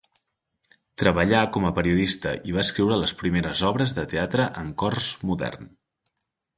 Treballà com a periodista i va escriure les primeres obres de teatre en cors modern.